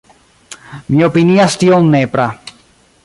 Mi opinias tion nepra.